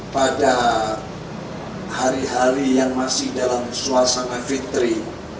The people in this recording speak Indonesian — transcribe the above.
pada hari hari yang masih dalam suasana fitri